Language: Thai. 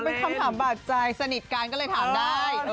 เป็นคำถามบาดใจสนิทกันก็เลยถามได้